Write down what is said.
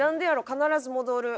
必ず戻る。